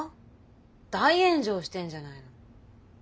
大炎上してんじゃないの。